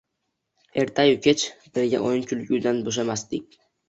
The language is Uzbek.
Ertayu kech birga o‘yin-kulgudan bo‘shamasdik